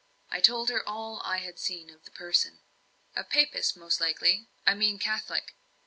I told her all I had seen of the person. "A Papist, most likely I mean a Catholic."